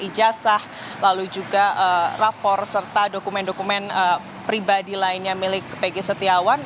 ijazah lalu juga rapor serta dokumen dokumen pribadi lainnya milik pg setiawan